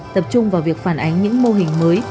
tập trung vào việc phản ánh những mô hình mới